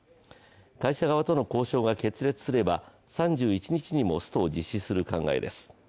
会社側との交渉が決裂すれば、３１日にもストを実施する考えです。